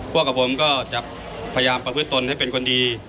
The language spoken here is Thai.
พวกกับผมก็จะพยายามประพฤติตนให้เป็นคนดี